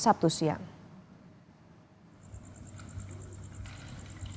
kepala pengusaha bandara samratulangi manado